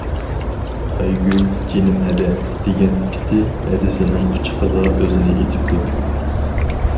ئايگۈل «جېنىم ھەدە» دېگەن پېتى ھەدىسىنىڭ قۇچىقىغا ئۆزىنى ئېتىپتۇ.